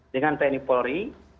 dengan tni polri